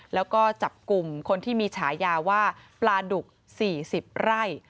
แล้วก็จับกลุ่มคนที่มีฉายาว่าปลาดุก๔๐ไร่